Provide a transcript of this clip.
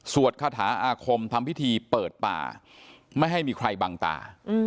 คาถาอาคมทำพิธีเปิดป่าไม่ให้มีใครบังตา